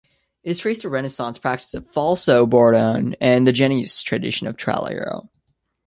It is traced to renaissance practice of falsobordone and the Genoese tradition of Trallalero.